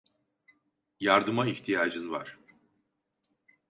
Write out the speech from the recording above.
Yardıma ihtiyacın var.